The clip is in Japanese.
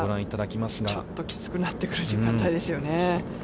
ここがちょっときつくなってくる時間帯ですよね。